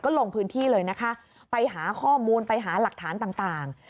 ลงพื้นที่เลยนะคะไปหาข้อมูลไปหาหลักฐานต่าง